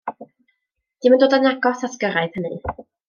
Ddim yn dod yn agos at gyrraedd hynny.